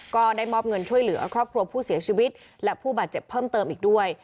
ก็ได้มอบเงินช่วยเหลือครอบครัวผู้เสียชีวิตและผู้บาดเจ็บเพิ่มเติมอีกด้วย